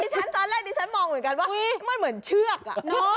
ที่ฉันมองเหมือนกันว่ามันเหมือนเชือกอ่ะ